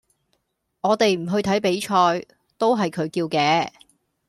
我哋唔去睇比賽，都係佢叫嘅